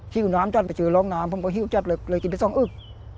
ิวน้ำจัดไปเจอร่องน้ำผมก็หิวจัดเลยเลยกินได้สองอึก